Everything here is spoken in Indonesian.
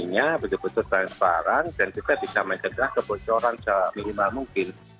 ini nya betul betul transparan dan kita bisa mencedah kebocoran se minimal mungkin